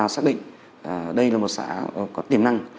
xác định đây là một xã có tiềm năng